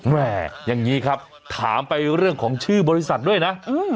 แม่อย่างนี้ครับถามไปเรื่องของชื่อบริษัทด้วยนะ